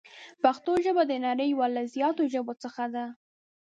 پښتو ژبه د نړۍ یو له زیاتو ژبو څخه ده.